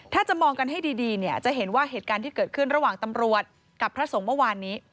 ถ้าจะมองกันให้ดีเนี่ยจะเห็นว่าเหตุการณ์ที่เกิดขึ้นระหว่างตำรวจกับพระสงฆ์เมื่อวานนี้